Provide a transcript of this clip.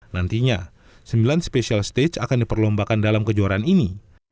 nantinya sembilan special stage akan diperlombakan dalam kejuaraan ini